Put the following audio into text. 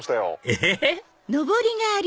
えっ？